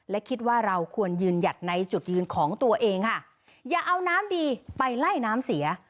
และคิดว่าเราควรยืนหยัดในจุดยืนของตัวเองค่ะอย่าเอาน้ำดีไปไล่น้ำเสีย